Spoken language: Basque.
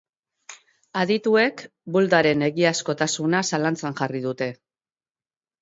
Adituek buldaren egiazkotasuna zalantzan jarri dute.